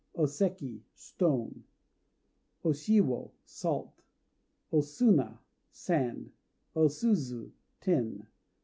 O Seki "Stone." O Shiwo "Salt." O Suna "Sand." O Suzu "Tin."